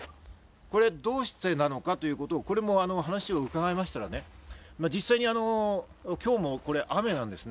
これどうしてなのかということ、これも話を伺いましたらね、実際に今日も雨が。